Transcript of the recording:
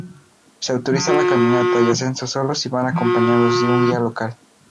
Se autoriza la caminata y ascenso sólo si van acompañados de un guía local.